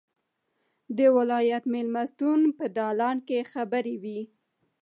د ولایت مېلمستون په دالان کې خبرې وې.